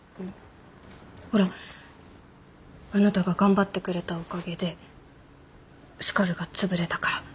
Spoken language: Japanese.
ほらあなたが頑張ってくれたおかげでスカルがつぶれたから。